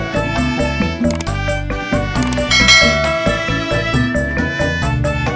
tidak saya tidak mau